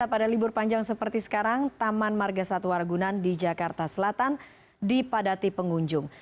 pada libur panjang seperti sekarang taman marga satwa ragunan di jakarta selatan dipadati pengunjung